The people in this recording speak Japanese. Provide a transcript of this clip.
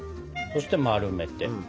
そして丸めて。